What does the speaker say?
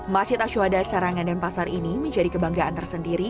masjid ashwada serangan dan pasar ini menjadi kebanggaan tersendiri